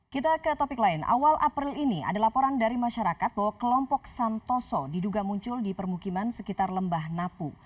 kita ke topik lain awal april ini ada laporan dari masyarakat bahwa kelompok santoso diduga muncul di permukiman sekitar lembah napu